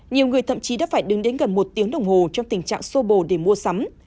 nhiều người thậm chí đã phải đứng đến gần một tiếng đồng hồ trong tình trạng sô bồ để mua sắm